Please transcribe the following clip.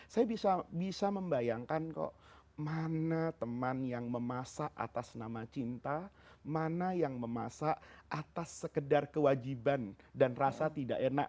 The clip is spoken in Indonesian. saya bisa membayangkan kok mana teman yang memasak atas nama cinta mana yang memasak atas sekedar kewajiban dan rasa tidak enak